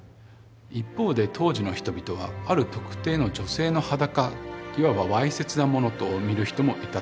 一方で当時の人々はある特定の女性の裸いわばわいせつなものと見る人もいたと。